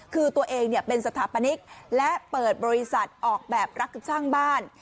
คือตัวเองเป็นสถาปนิกและเปิดบริษัทออกแบบรักสร้างบ้าน